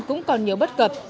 cũng còn nhiều bất cập